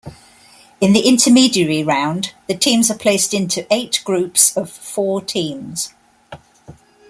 In the intermediary round, the teams are placed into eight groups of four teams.